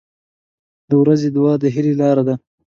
• د ورځې دعا د هیلې لاره ده.